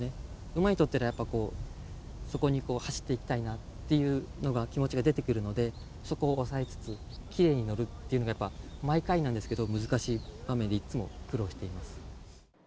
馬にとってやっぱり、そこに走っていきたいなっていうのが、気持ちが出てくるので、そこを抑えつつ、きれいに乗るっていうのが、毎回なんですけど難しい場面で、いつも苦労しています。